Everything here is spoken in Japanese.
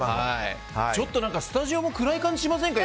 ちょっとスタジオも暗い感じしませんか？